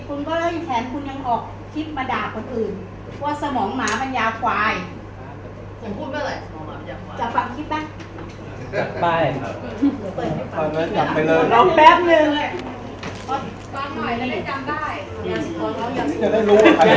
คือทีนี้เนี่ยผมก็ต้องคุยตอนนี้ผมบอกว่าผมจะต้องคุยกับทนายแล้วก็ให้ทนายเป็นคนกลางในการที่จะรับเรื่องต่าง